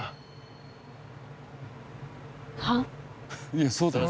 いやそうだよ。